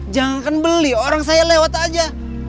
jangan beli orang saya lewat aja